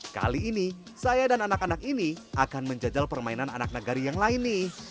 kali ini saya dan anak anak ini akan menjajal permainan anak nagari yang lain nih